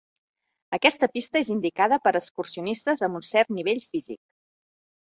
Aquesta pista és indicada per a excursionistes amb un cert nivell físic.